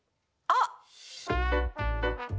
あっ！